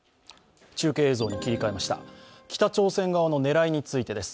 北朝鮮側の狙いについてです。